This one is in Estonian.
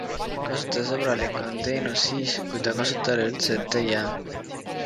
Kasutajasõbralik on teenus siis, kui ta kasutajale üldse ette ei jää.